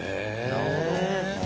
なるほど。